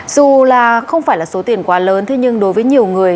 dù không phải là số tiền quá lớn nhưng đối với nhiều người